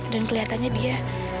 dan kelihatannya dia